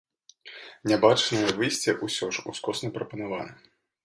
Нябачнае выйсце ўсё ж ускосна прапанавана.